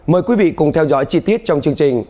mời quý vị cùng theo dõi chi tiết trong chương trình